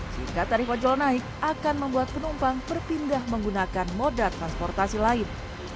sehingga tarif ojol naik akan membuat penumpang berpindah menggunakan moda transportasi lain